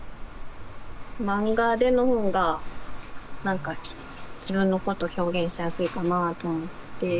漫画での方が何か自分のこと表現しやすいかなと思って。